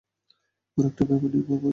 ওর একটা ব্যাপার নিয়ে ভাবা উচিৎ।